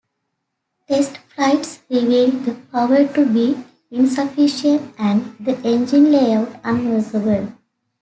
Test flights revealed the power to be insufficient and the engine layout unworkable.